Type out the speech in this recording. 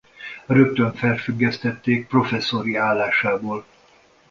Rögtön felfüggesztették professzori állásából.